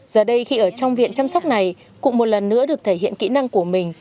giờ đây khi ở trong viện chăm sóc này cụ một lần nữa được thể hiện kỹ năng của mình